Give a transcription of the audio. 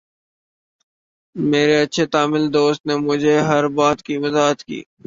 میرے اچھے تامل دوست نے مجھے ہر بات کی وضاحت کی